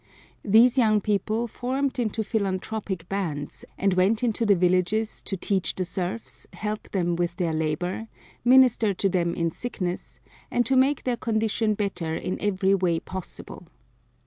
These young people formed into philanthropic bands, and went into the villages to teach the serfs, help them with their labor, minister to them in sickness and to make their condition better in every way possible.